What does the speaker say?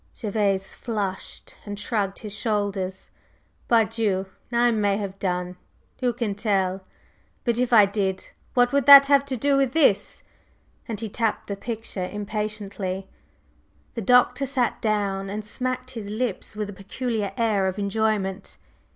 Gervase flushed, and shrugged his shoulders. "Pardieu! I may have done! Who can tell? But if I did, what would that have to do with this?" and he tapped the picture impatiently. The Doctor sat down and smacked his lips with a peculiar air of enjoyment.